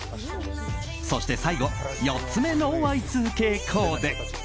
そして、最後４つ目のＹ２Ｋコーデ。